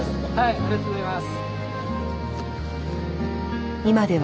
ありがとうございます。